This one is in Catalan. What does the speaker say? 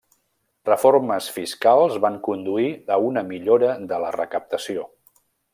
Reformes fiscals van conduir a una millora de la recaptació.